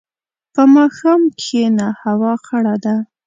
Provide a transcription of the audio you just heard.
په ماښام کښېنه، هوا خړه ده.